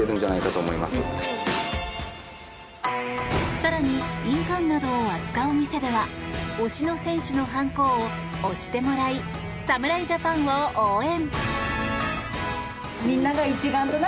更に、印鑑などを扱う店では推しの選手の判子を押してもらい侍ジャパンを応援。